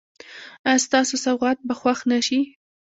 ایا ستاسو سوغات به خوښ نه شي؟